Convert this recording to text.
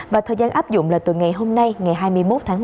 và thời gian áp dụng là từ ngày hôm nay ngày hai mươi một tháng một mươi một